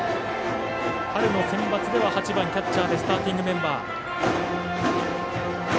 春のセンバツではキャッチャーでスターティングメンバー起用。